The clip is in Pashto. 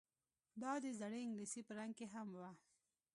دا د زړې انګلیسي په رنګ کې هم وه